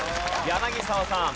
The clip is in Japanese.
柳澤さん。